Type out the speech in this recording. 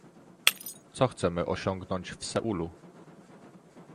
Co chcemy osiągnąć w Seulu?